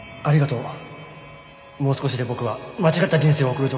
もう少しで僕は間違った人生を送るところだったよ。